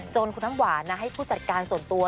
คุณน้ำหวานให้ผู้จัดการส่วนตัว